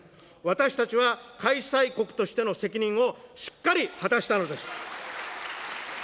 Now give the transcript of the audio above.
私たちは開催国としての責任をしっかり果たしたのです。